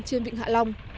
trên vịnh hạ long